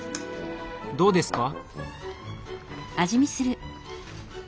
どうですか？